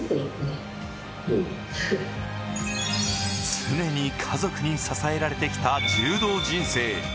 常に家族に支えられてきた柔道人生。